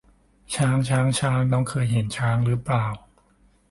ช้าง ช้าง ช้าง น้องเคยเห็นช้างหรือเปล่า